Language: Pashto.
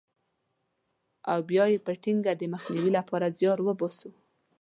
او بیا یې په ټینګه د مخنیوي لپاره زیار وباسو.